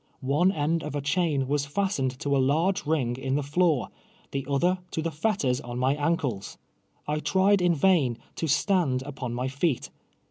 One end of a chain was fastened to a lar^ e rin<j: in the floor, the other to the fetters on my ankles. I ti'ied in vain to stand upon my feet.